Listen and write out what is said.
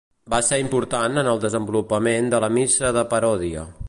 Va ser important en el desenvolupament de la missa de paròdia.